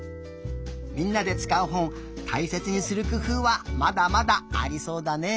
みんなでつかうほんたいせつにするくふうはまだまだありそうだね。